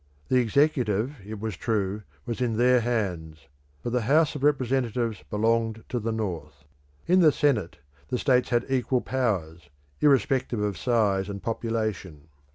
The executive, it was true, was in their hands, but the House of Representatives belonged to the North. In the Senate the states had equal powers, irrespective of size and population.